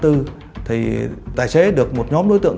thì tài xế được một nhóm đối tượng